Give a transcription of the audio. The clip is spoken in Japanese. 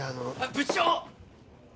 部長！